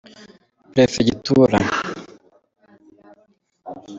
perefegitura.